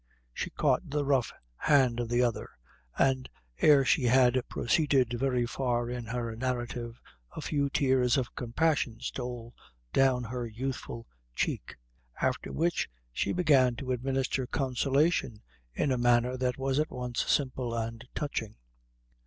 She caught the rough hand of the other and, ere she had proceeded very far in her narrative, a few tears of compassion stole down her youthful cheek after which she began to administer consolation in a manner that was at once simple and touching.